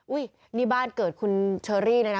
อุ๊ยนี่บ้านเกิดคุณเชอรี่นะนะ